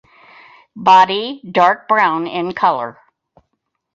Body dark brown in color.